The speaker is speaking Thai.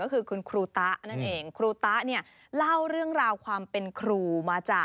โปรดติดตามตอนต่อไป